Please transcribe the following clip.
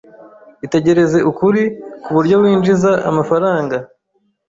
Itegereze ukuri ku buryo winjiza amafaranga.